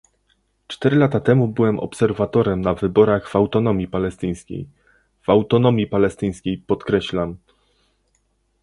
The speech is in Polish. Cztery lata temu byłem obserwatorem na wyborach w Autonomii Palestyńskiej, w Autonomii Palestyńskiej, podkreślam